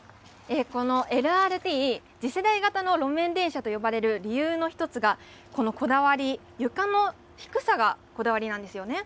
このＬＲＴ、次世代型の路面電車と呼ばれる理由の一つが、このこだわり、床の低さがこだわりなん